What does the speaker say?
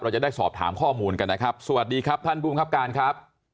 จะได้สอบถามข้อมูลกันนะครับสวัสดีครับท่านผู้บังคับการครับ